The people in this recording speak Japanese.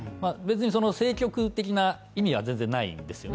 政局的な意味は全然ないですよね